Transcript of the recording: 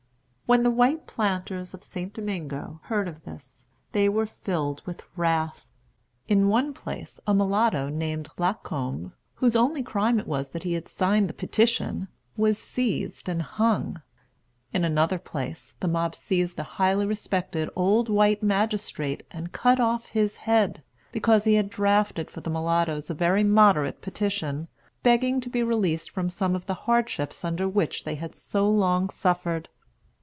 When the white planters of St. Domingo heard of this, they were filled with wrath. In one place, a mulatto named Lacombe, whose only crime was that he had signed the petition, was seized and hung. In another place, the mob seized a highly respected old white magistrate and cut off his head, because he had drafted for the mulattoes a very moderate petition, begging to be released from some of the hardships under which they had so long suffered.